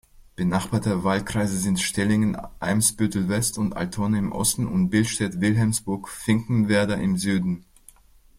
Benachbarte Wahlkreise sind Stellingen-Eimsbüttel-West und Altona im Osten und Billstedt-Wilhelmsburg-Finkenwerder im Süden.